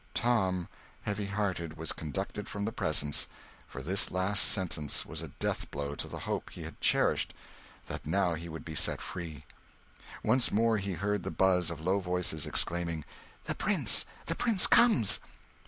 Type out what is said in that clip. Tom, heavy hearted, was conducted from the presence, for this last sentence was a death blow to the hope he had cherished that now he would be set free. Once more he heard the buzz of low voices exclaiming, "The prince, the prince comes!"